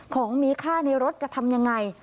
ของมีค่าในรถจะทำยังไง